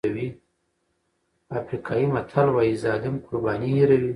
افریقایي متل وایي ظالم قرباني هېروي.